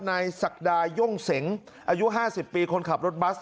ศักดาย่งเสงอายุ๕๐ปีคนขับรถบัส